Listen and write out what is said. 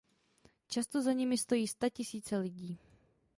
Často za nimi stojí statisíce lidí.